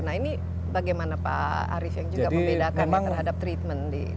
nah ini bagaimana pak arief yang juga membedakan terhadap treatment di